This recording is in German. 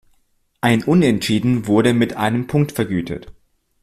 Ein Unentschieden wurde mit einem Punkt vergütet.